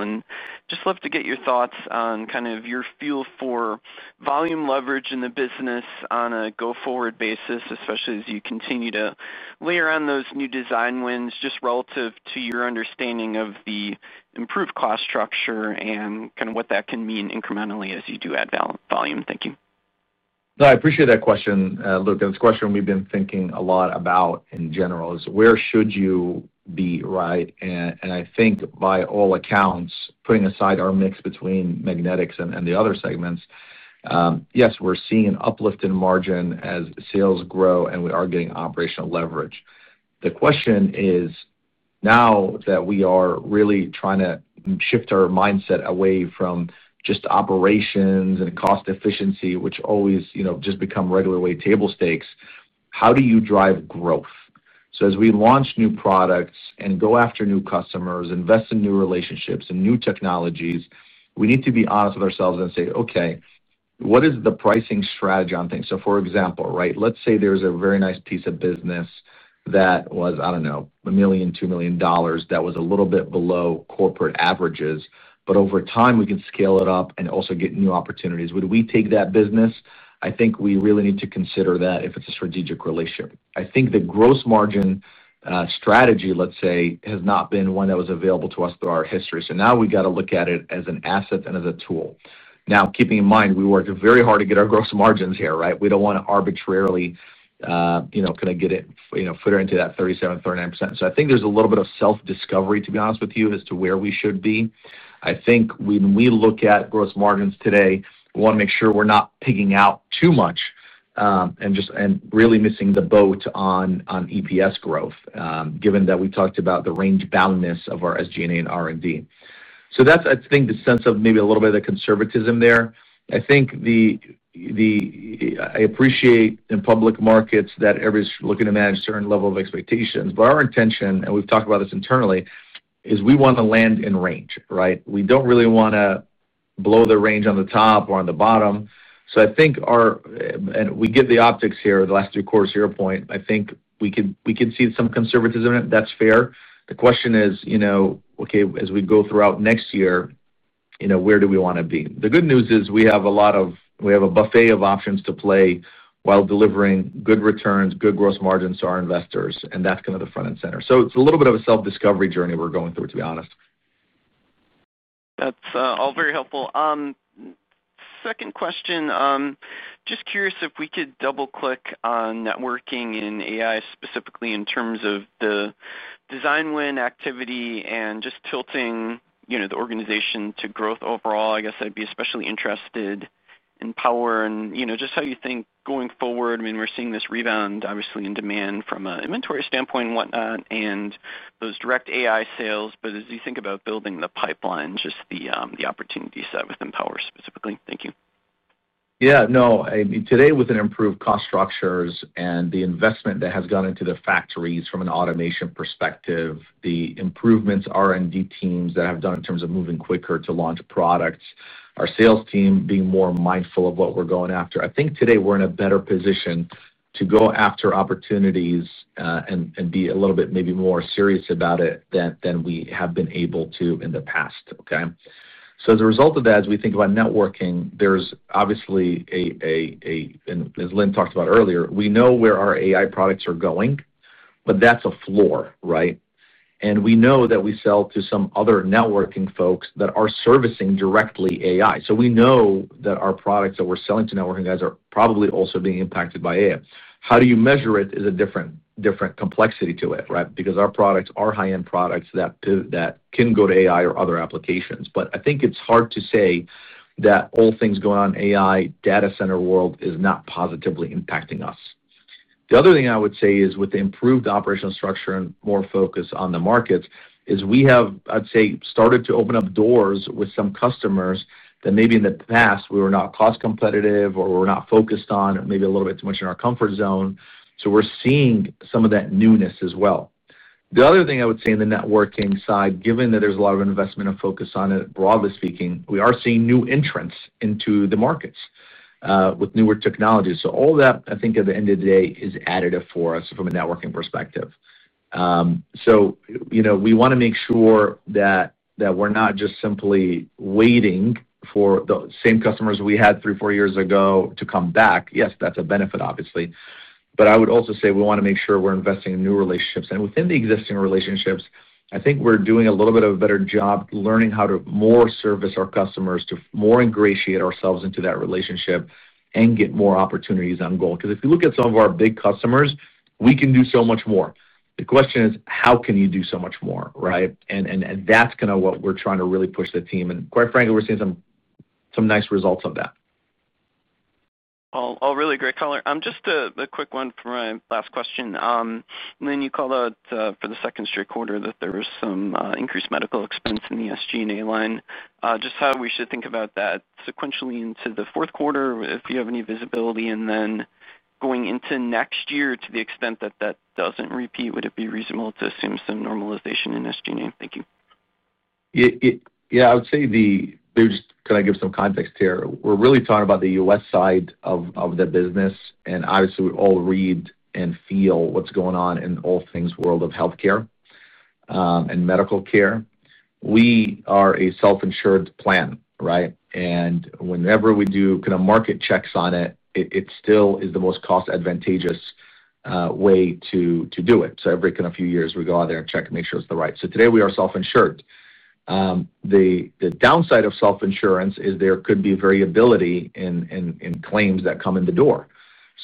Just love to get your thoughts on your feel for volume leverage in the business on a go forward basis, especially as you continue to layer on those new design wins, just relative to your understanding of the improved cost structure and what that can do mean incrementally as you do add volume. Thank you. I appreciate that question, Luke. It's a question we've been thinking a lot about in general: where should you be? I think by all accounts, putting aside our mix between Magnetics and the other segments, yes, we're seeing an uplift in margin as sales grow and we are getting operational leverage. The question is, now that we are really trying to shift our mindset away from just operations and cost efficiency, which always just become regular way table stakes, how do you drive growth? As we launch new products and go after new customers, invest in new relationships and new technologies, we need to be honest with ourselves and say, okay, what is the pricing strategy on things? For example, let's say there's a very nice piece of business that was, I don't know, $2 million that was a little bit below corporate averages, but over time we can scale it up and also get new opportunities. Would we take that business? I think we really need to consider that if it's a strategic relation. I think the gross margin strategy has not been one that was available to us through our history. Now we got to look at it as an asset and as a tool. Keeping in mind we worked very hard to get our gross margins here. We don't want to arbitrage arbitrarily into that 37%, 39%. I think there's a little bit of self-discovery, to be honest with you, as to where we should be. When we look at gross margins today, we want to make sure we're not pigging out too much and really missing the boat on EPS growth, given that we talked about the range boundness of our SG&A and R&D. That's, I think, the sense of maybe a little bit of conservatism there. I appreciate in public markets that everybody's looking to manage a certain level of expectations, but our intention, and we've talked about this internally, is we want to land in range. Right. We don't really want to blow the range on the top or on the bottom. I think we get the optics here, the last three quarters here point, I think we can see some conservatism that's fair. The question is, you know, as we go throughout next year, where do we want to be? The good news is we have a lot of, we have a buffet of options to play while delivering good returns, good gross margins to our investors, and that's kind of the front and center. It's a little bit of a self-discovery journey we're going through, to be honest. That's all very helpful. Second question, just curious if we could double click on networking in AI specifically in terms of the Design Win activity and just tilting the organization to growth overall. I guess I'd be especially interested in Power and just how you think going forward we're seeing this rebound obviously in demand from an inventory standpoint and whatnot and those direct AI sales. As you think about building the pipeline, just the opportunity side with Power specifically. Thank you. Yeah, no, today with improved cost structures and the investment that has gone into the factories from an automation perspective, the improvements R&D teams have done in terms of moving quicker to launch products, our sales team being more mindful of what we're going after, I think today we're in a better position to go after opportunities and be a little bit maybe more serious about it than we have been able to in the past. As a result of that, as we think about networking, there's obviously a, and as Lynn talked about earlier, we know where our AI products are going, but that's a floor. Right. We know that we sell to some other networking folks that are servicing directly AI, so we know that our products that we're selling to networking guys are probably also being impacted by AI. How do you measure it is a different, different complexity to it. Right. Because our products are high end products that can go to AI or other applications. I think it's hard to say that all things going on in the AI data center world are not positively impacting us. The other thing I would say is with the improved operational structure and more focus on the markets, we have, I'd say, started to open up doors with some customers that maybe in the past we were not cost competitive or were not focused on, maybe a little bit too much in our comfort zone. We're seeing some of that newness as well. The other thing I would say in the networking side, given that there's a lot of investment and focus on it, broadly speaking, we are seeing new entrants into the markets with newer technologies. All that I think at the end of the day is additive for us from a networking perspective. We want to make sure that we're not just simply waiting for the same customers we had three, four years ago to come back. Yes, that's a benefit obviously. I would also say we want to make sure we're investing in new relationships, and within the existing relationships, I think we're doing a little bit of a better job learning how to more service our customers, to more ingratiate ourselves into that relationship and get more opportunities on goal. If you look at some of our big customers, we can do so much more. The question is how can you do so much more. Right. That's kind of what we're trying to really push the team, and quite frankly we're seeing some nice results of that. All really great color. Just a quick one for my last question. Lynn, you called out for the second straight quarter that there was some increased medical exposure in the SG&A line. Just how we should think about that sequentially into the fourth quarter if you have any visibility, and then going into next year to the extent that that doesn't repeat. Would it be reasonable to assume some normalization in SG&A? Thank you. I would say, can I give some context here? We're really talking about the U.S. side of the business, and obviously we all read and feel what's going on in all things world of healthcare and medical care. We are a self-insured plan, right? Whenever we do kind of market checks on it, it still is the most cost advantageous way to do it. Every few years we go out there and check and make sure it's right. Today we are self-insured. The downside of self-insurance is there could be variability in claims that come in the door,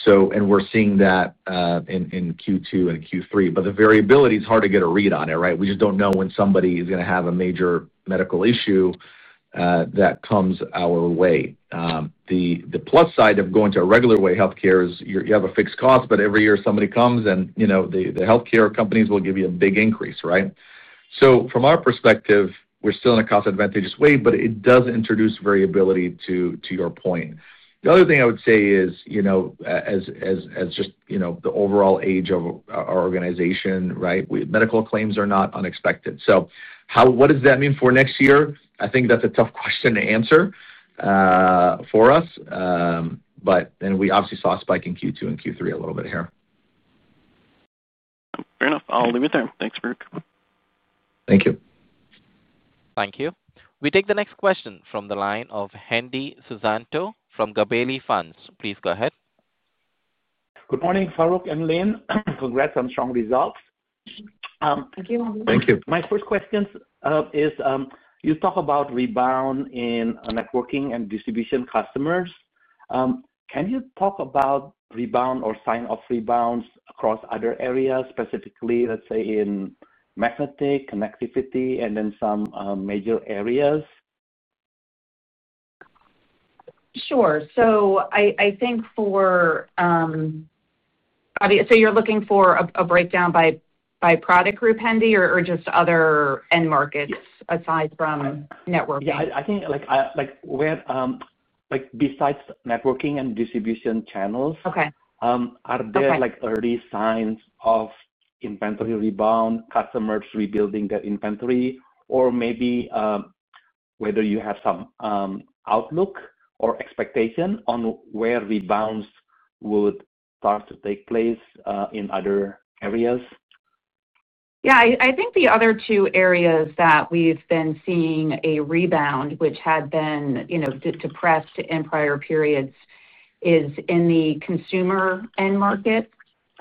and we're seeing that in Q2 and Q3. The variability is hard to get a read on. Right. We just don't know when somebody is going to have a major medical issue that comes our way. The plus side of going to a regular way healthcare is you have a fixed cost, but every year somebody comes and the healthcare companies will give you a big increase. Right. From our perspective we're still in a cost advantageous way, but it does introduce variability. To your point, the other thing I would say is, as the overall age of our organization, medical claims are not unexpected. What does that mean for next year? I think that's a tough question to answer for us. We obviously saw a spike in Q2 and Q3 a little bit here. Fair enough. I'll leave it there. Thanks Farouq. Thank you. Thank you. We take the next question from the line of Hendi Susanto from Gabelli Funds. Please go ahead. Good morning Farouq and Lynn. Congrats on strong results. Thank you. Thank you. My first question is you talk about rebound in networking and distribution customers. Can you talk about rebound or sign of rebounds across other areas, specifically let's say in Magnetic, Connectivity, and then some major areas. Sure. I think you're looking for a breakdown by product group, Hendi, or just other end markets aside from networking? I think like where like besides networking and distribution channels, are there early signs of inventory rebound, customers rebuilding their inventory, or maybe whether you have some outlook or expectation on where rebounds would start to take place in other areas? Yeah, I think the other two areas that we've been seeing a rebound, which had been depressed in prior periods, is in the consumer end market.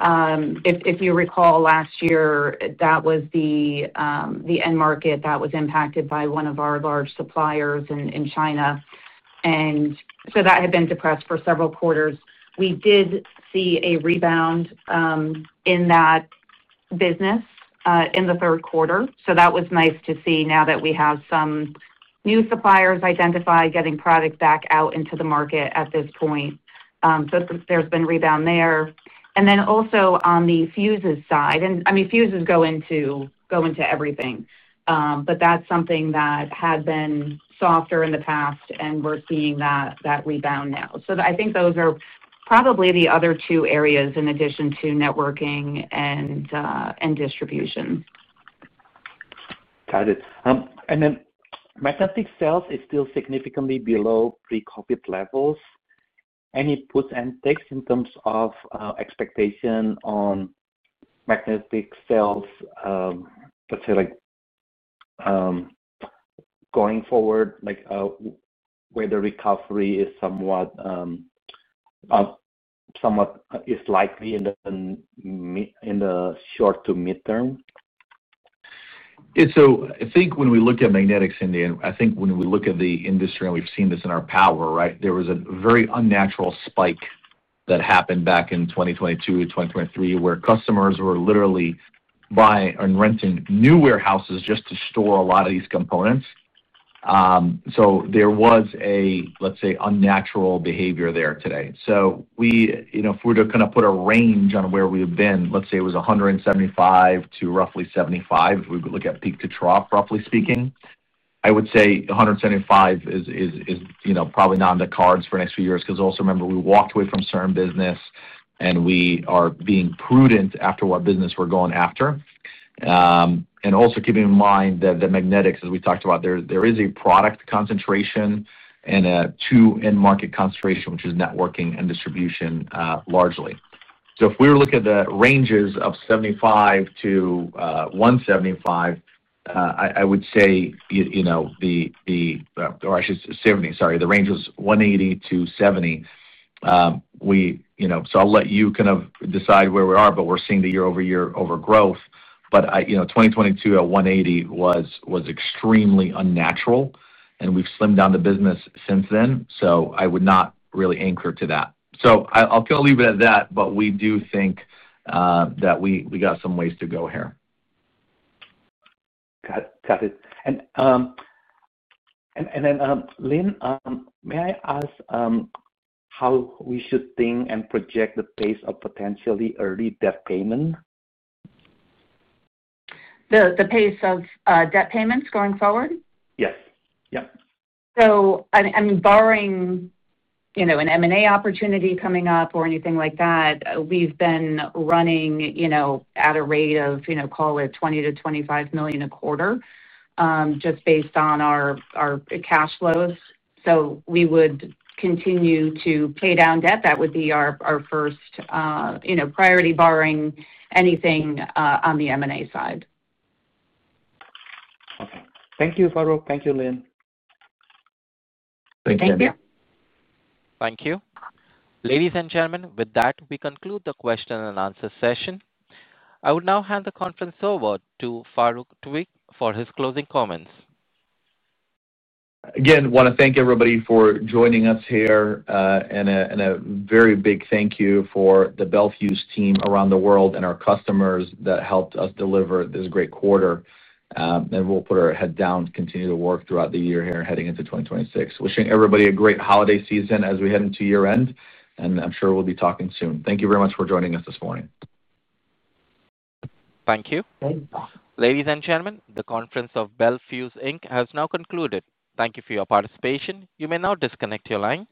If you recall, last year that was the end market that was impacted by one of our large suppliers in China, and that had been depressed for several quarters. We did see a rebound in that business in the third quarter. That was nice to see. Now that we have some new suppliers identified, getting product back out into the market at this point, there's been rebound there and then also on the fuses side. I mean, fuses go into everything, but that's something that had been softer in the past, and we're seeing that rebound now. I think those are probably the other two areas in addition to networking and distribution. Got it. Magnetic sales are still significantly below pre-COVID levels. Any puts and takes in terms of expectation on Magnetic sales, let's say going forward, like where the recovery is somewhat likely in the short to midterm. I think when we look at Magnetics in the end, I think when we look at the industry and we've seen this in our power, right, there was a very unnatural spike that happened back in 2022, 2023 where customers were literally buying and renting new warehouses just to store a lot of these components. There was, let's say, unnatural behavior there today. If we were to kind of put a range on where we've been, let's say it was $175 million to roughly $75 million. If we look at peak to trough, roughly speaking, I would say $175 million is probably not on the cards for the next few years because also remember we walked away from certain business and we are being prudent after what business we're going after. Also, keeping in mind that the Magnetics, as we talked about, there is a product concentration and two end market concentration, which is networking and distribution largely. If we were looking at the ranges of $75 million-$175 million, or I should say $70 million, sorry, the range was $180 million-$70 million. I'll let you kind of decide where we are. We're seeing the year-over-year growth, but 2022 at $180 million was extremely unnatural and we've slimmed down the business since then. I would not really anchor to that. I'll kind of leave it at that. We do think that we got some ways to go here. Got it. Lynn, may I ask how we should think and project the pace of potentially early debt payment? The pace of debt payments going forward? Yes. Yep. Barring an M&A opportunity coming up or anything like that, we've been running at a rate of, call it, $20 million-$25 million a quarter just based on our cash flows. We would continue to pay down debt. That would be our first priority barring anything on the M&A side. Okay. Thank you, Farouq. Thank you, Lynn. Thank you. Thank you, ladies and gentlemen. With that, we conclude the question and answer session. I will now hand the conference over to Farouq Tuweiq for his closing comments. Again, want to thank everybody for joining us here and a very big thank you for the Bel Fuse team and our customers that helped us deliver this great quarter. We'll put our head down, continue to work throughout the year here heading into 2026. Wishing everybody a great holiday season as we head into year end and I'm sure we'll be talking soon. Thank you very much for joining us this morning. Thank you. Ladies and gentlemen, the conference of Bel Fuse Inc. has now concluded. Thank you for your participation. You may now disconnect your line.